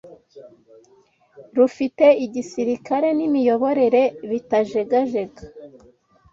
rufite igisirikare n’imiyoborere bitajegajega